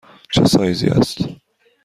چه سایزی است؟